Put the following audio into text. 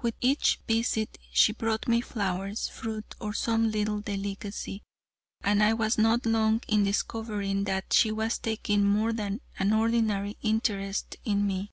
With each visit she brought flowers, fruit, or some little delicacy, and I was not long in discovering that she was taking more than an ordinary interest in me.